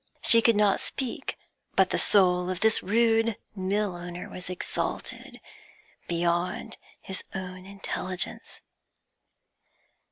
She could not speak but the soul of this rude mill owner was exalted beyond his own intelligence.